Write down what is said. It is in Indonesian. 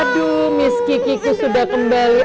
aduh miss kikiku sudah kembali